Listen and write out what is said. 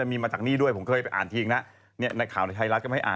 เอาอันนี้ดีกว่านี่อันนี้มีคนแชร์มา